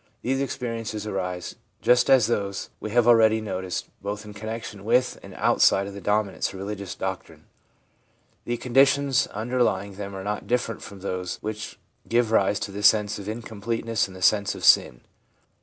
These experiences arise, just as those we have already noticed, both in connection with and outside of the dominance of religious doctrine. The conditions under lying them are not different from those which give rise to the sense of incompleteness and the sense of sin.